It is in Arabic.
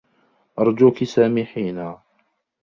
أرجوكِ سامحينا.